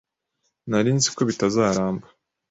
Nari nzi ko bitazaramba.